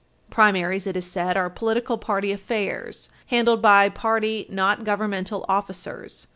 Primaries, it is said, are political party affairs, handled by party, not governmental, officers.